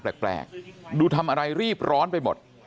แปลกดูทำอะไรรีบร้อนไปหมด